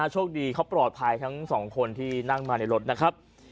โชคดีเขาปลอดภัยทั้งสองคนที่นั่งมาในรถนะครับ